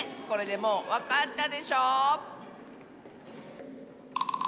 これでもうわかったでしょう？